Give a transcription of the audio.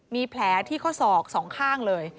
มีแผลที่ข้อศอกสองข้างเลย